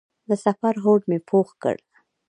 د سفر هوډ مې پوخ کړ.